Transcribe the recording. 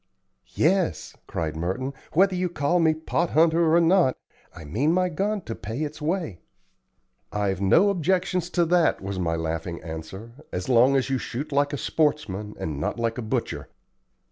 "Yes," cried Merton, "whether you call me 'pot hunter' or not, I mean my gun to pay its way." "I've no objections to that," was my laughing answer, "as long as you shoot like a sportsman, and not like a butcher.